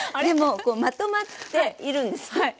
でもまとまっているんですね。